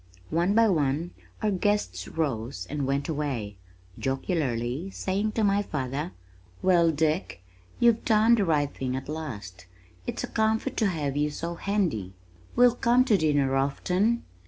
One by one our guests rose and went away, jocularly saying to my father, "Well, Dick, you've done the right thing at last. It's a comfort to have you so handy. We'll come to dinner often."